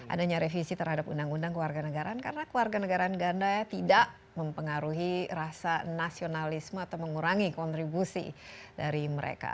adanya revisi terhadap undang undang keluarga negaraan karena keluarga negaraan ganda tidak mempengaruhi rasa nasionalisme atau mengurangi kontribusi dari mereka